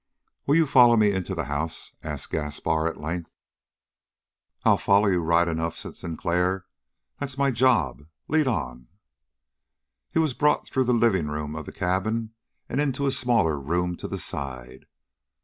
"Will you follow me into the house?" asked Gaspar at length. "I'll follow you, right enough," said Sinclair. "That's my job. Lead on." He was brought through the living room of the cabin and into a smaller room to the side.